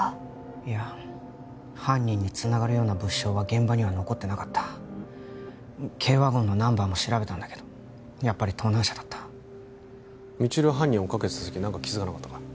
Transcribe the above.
いや犯人につながるような物証は現場には残ってなかった軽ワゴンのナンバーも調べたんだけどやっぱり盗難車だった未知留は犯人追っかけてた時何か気づかなかったか？